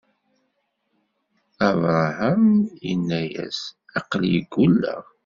Abṛaham inna-yas: Aql-i ggulleɣ.